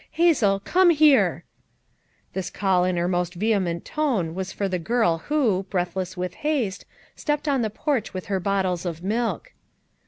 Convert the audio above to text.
Hazel, come here!" This call in her most vehement tone was for the girl who, breathless with haste, stepped on the, porch with her bottles of milk.